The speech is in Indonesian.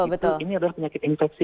ini adalah penyakit infeksi